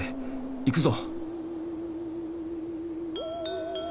行くぞ！